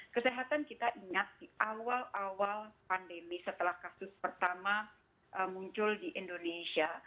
kesehatan kita ingat di awal awal pandemi setelah kasus pertama muncul di indonesia